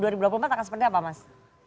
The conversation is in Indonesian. dua ribu dua puluh empat akan seperti apa mas